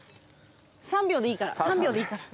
３秒でいいから３秒でいいから。